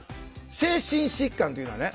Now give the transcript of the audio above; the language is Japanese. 精神疾患というのはね